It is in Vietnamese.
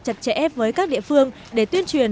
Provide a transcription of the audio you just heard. chặt chẽ với các địa phương để tuyên truyền